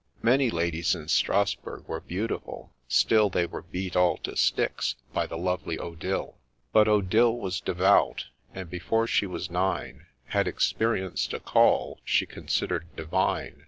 Many ladies in Strasburg were beautiful, still They were beat all to sticks by the lovely Odille. But Odille was devout, and, before she was nine, Had ' experienced a call ' she consider'd divine.